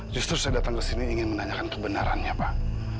justru saya datang ke sini ingin menanyakan kebenarannya pak